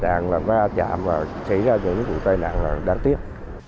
trạng là có ra chạm và xảy ra những vụ tai nạn đáng tiếc